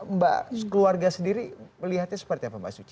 mbak keluarga sendiri melihatnya seperti apa mbak suci